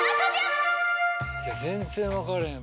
全然分かれへん。